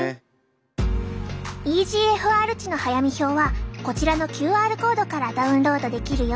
ｅＧＦＲ値の早見表はこちらのＱＲコードからダウンロードできるよ。